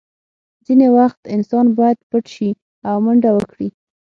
ځینې وخت انسان باید پټ شي او منډه وکړي